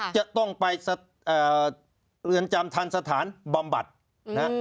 จะต้องไปเรือนจำทันสถานบำบัดนะฮะ